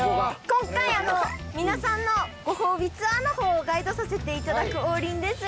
今回皆さんのご褒美ツアーの方ガイドさせていただく王林です。